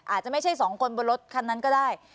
อาจจะไม่ใช่สองคนบนรถคันนั้นก็ได้